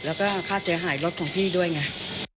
แล้วก็ค่าเสียหายรถของพี่ด้วยไง